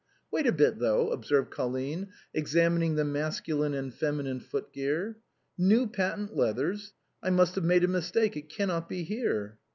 " Wait a bit, though," observed Colline, examining the masculine and feminine foot gear. " New patent leathers ! I must have made a mistake; it cannot be here."